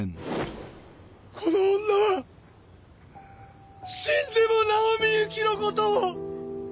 この女は死んでもなお深雪のことを！